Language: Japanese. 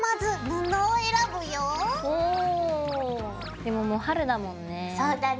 でももう春だもんね。